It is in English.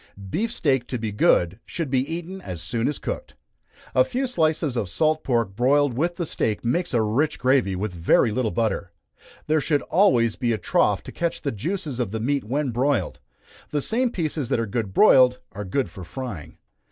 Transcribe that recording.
Beef steak to be good, should be eaten as soon as cooked. A few slices of salt pork broiled with the steak makes a rich gravy with a very little butter. There should always be a trough to catch the juices of the meat when broiled. The same pieces that are good broiled are good for frying.